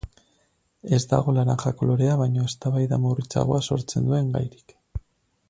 Ez dago laranja kolorea baino eztabaida murritzagoa sortzen duen gairik.